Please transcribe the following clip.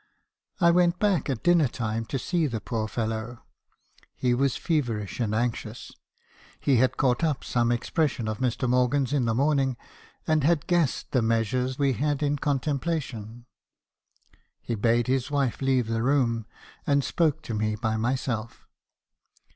I went back at dinner time to see the poor fellow. He was feverish and anxious. He had caught up some expression of Mr. Morgan's in the morning, and had guessed the measure we had in con templation. He bade his wife leave the room, and spoke to me by myself.